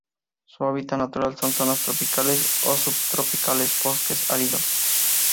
Su hábitat natural son: zonas tropicales o subtropicales, bosques áridos.